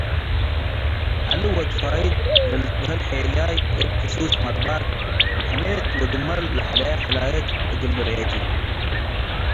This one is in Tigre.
ዐሊ ወድ ፋይድ ለልትበሀል ሔልያይ እብ ክሱስ መርባት። ሕሜት ወድመል ለሐለያ ሕላየት እግል ንርኤቱ።